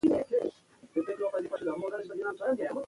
زدکړي زموږ حق دي